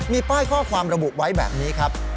มีป้ายข้อความระบุไว้แบบนี้ครับ